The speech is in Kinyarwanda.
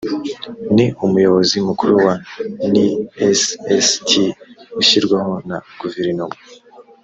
ni umuyobozi mukuru wa ncst ushyirwaho na guverinoma